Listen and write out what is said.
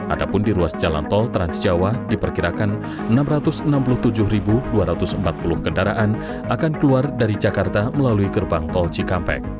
adapun di ruas jalan tol transjawa diperkirakan enam ratus enam puluh tujuh dua ratus empat puluh kendaraan akan keluar dari jakarta melalui gerbang tol cikampek